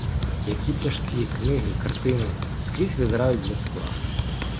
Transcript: Які пляшки, книги, картини скрізь визирають з-за скла.